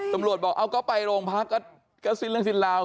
ตำรวจบอกเอาก็ไปโรงพักก็สิ้นเรื่องสิ้นราว